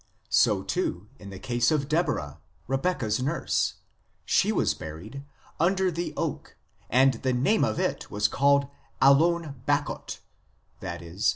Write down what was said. So, too, in the case of Deborah, Rebekah s nurse ; she was buried " under the oak ; and the name of it was called Allon bacuth," i.e.